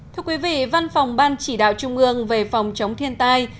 thưa quý vị văn phòng ban chỉ đạo trung ương về phòng chống thiên tai